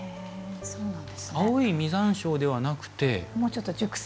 青い実山椒ではなくて。